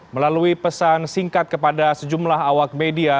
melalui pesan singkat kepada sejumlah awak media